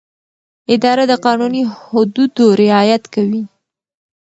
اداره د قانوني حدودو رعایت کوي.